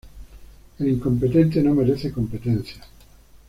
el incompetente no merece competencias...